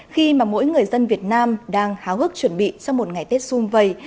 khi mà mỗi người dân việt nam đang háo hức chuẩn bị cho một ngày tết zoom vậy